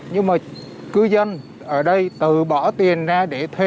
nhưng mà cư dân ở đây từ bỏ tiền ra để thuê